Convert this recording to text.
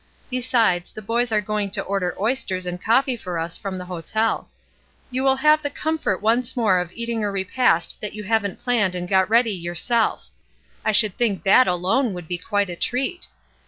Besides, the boys are going to order oysters and coffee for us from the hotel. You will have the comfort once more of eating a repast that you haven't planned and got ready yourself; I should think that alone would be quite a treat.